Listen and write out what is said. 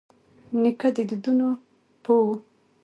نیکه د دودونو پوه وي.